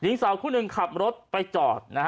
หญิงสาวคู่หนึ่งขับรถไปจอดนะฮะ